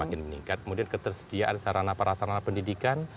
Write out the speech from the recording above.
kemudian ketersediaan sarana perasarana pendidikan